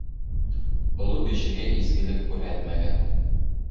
Оло кешегә изгелек күрһәтмәгән